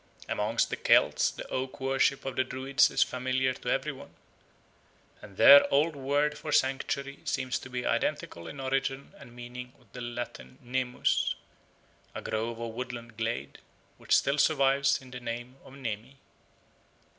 Amongst the Celts the oak worship of the Druids is familiar to every one, and their old word for sanctuary seems to be identical in origin and meaning with the Latin nemus, a grove or woodland glade, which still survives in the name of Nemi.